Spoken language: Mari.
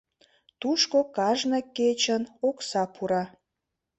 Тушко кажне кечын окса пура.